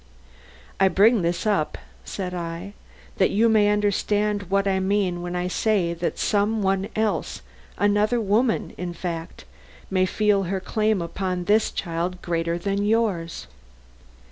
"I bring this up," said I, "that you may understand what I mean when I say that some one else another woman, in fact, may feel her claim upon this child greater than yours."